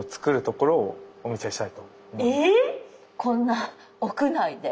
こんな屋内で？